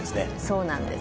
そうなんです。